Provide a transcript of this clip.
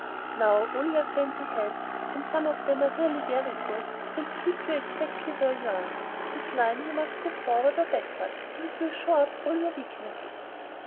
Now, all your fancy heads—and some of them are very good—will keep you exactly where you are. With line you must go forward or backward, and it will show up all your weaknesses."